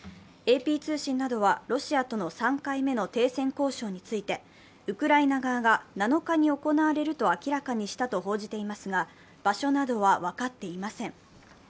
ＡＰ通信などはロシアとの３回目の停戦交渉についてウクライナ側が７日に行われると明らかにしたと報じていますが、場所などは分かっていません。